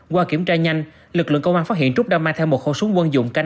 qua kiểm tra nhanh lực lượng công an phát hiện trúc đã mang theo một khẩu súng quân dụng k năm mươi bốn